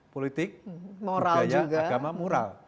politik budaya agama moral